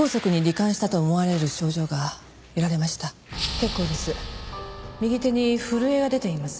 結構です。